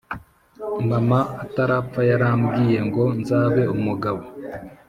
Mama atarapfa yarambwiyengo nzabe umugabo